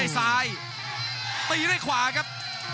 ตีด้วยขวาครับ